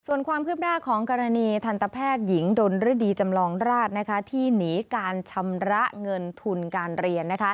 ส่วนความคืบหน้าของกรณีทันตแพทย์หญิงดนฤดีจำลองราชที่หนีการชำระเงินทุนการเรียน